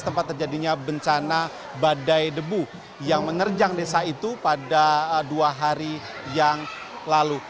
tempat terjadinya bencana badai debu yang menerjang desa itu pada dua hari yang lalu